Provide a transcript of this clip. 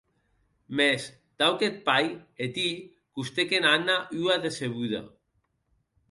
Mès, tau qu'eth pair, eth hilh costèc en Anna ua decebuda.